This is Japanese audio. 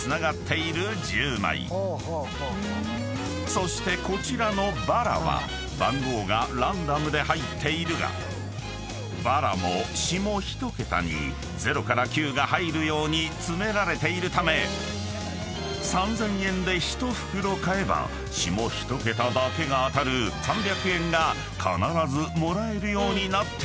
［そしてこちらのバラは番号がランダムで入っているがバラも下１桁に０から９が入るように詰められているため３，０００円で１袋買えば下１桁だけが当たる３００円が必ずもらえるようになっているのだ］